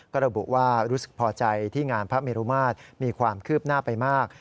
ก็ระบุว่ารู้สึกพอใจที่งานพระเมรุมาตรมีความคืบหน้าไปมาก